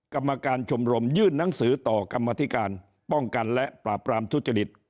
กรรมการชมรมยื่นหนังสือต่อกรรมธิการป้องกันและปราบปรามทุจริต